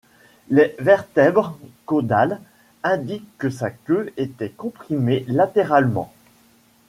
Les vertèbres caudales indiquent que sa queue était comprimée latéralement.